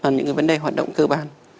những cái vấn đề hoạt động cơ bản